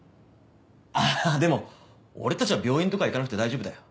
あっでも俺たちは病院とか行かなくて大丈夫だよ。